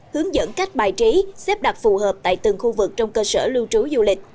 hướng dẫn cách bài trí xếp đặt phù hợp tại từng khu vực trong cơ sở lưu trú du lịch